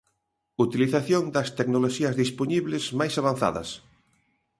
Utilización das tecnoloxías dispoñibles mais avanzadas.